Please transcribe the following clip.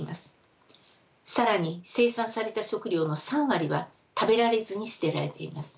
更に生産された食料の３割は食べられずに捨てられています。